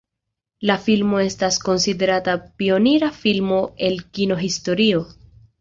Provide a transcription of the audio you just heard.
La filmo estas konsiderata pionira filmo el kino-historio.